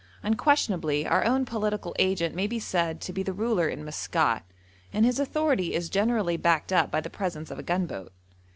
Unquestionably our own Political Agent may be said to be the ruler in Maskat, and his authority is generally backed up by the presence of a gunboat.